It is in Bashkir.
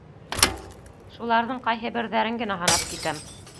Шуларҙың ҡайһы берҙәрен генә һанап китәм: